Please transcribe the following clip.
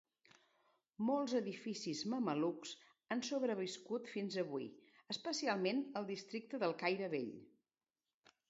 Molts edificis mamelucs han sobreviscut fins avui, especialment al districte del Caire Vell.